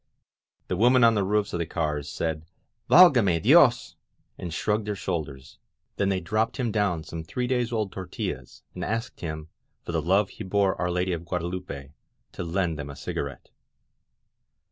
.•. The women on the roofs of the cars said, Vdlgame DiosT* and shrugged their shoulders; then they dropped him down some three days old tortUlaSj and asked him, for the love he bore Our Lady of Guade lupe, to lend them a cigarette.